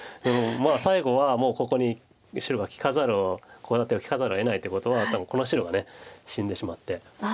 最後はもうここに白が利かざるをコウ立てを利かざるをえないということは多分この白が死んでしまって。